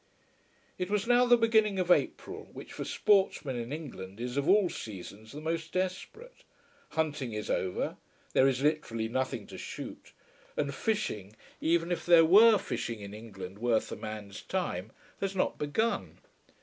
It was now the beginning of April, which for sportsmen in England is of all seasons the most desperate. Hunting is over. There is literally nothing to shoot. And fishing, even if there were fishing in England worth a man's time, has not begun.